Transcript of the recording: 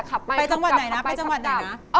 ไปจังหวัดไหนนะ